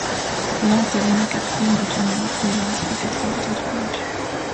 L'Inde termina quatrième du tournoi, et il a inscrit quatre buts en trois matchs.